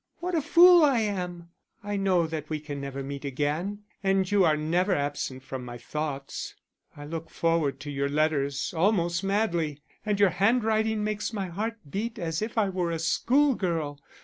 What a fool I am! I know that we can never meet again, and you are never absent from my thoughts. I look forward to your letters almost madly, and your handwriting makes my heart beat as if I were a schoolgirl.